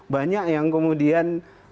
banyak yang kemudian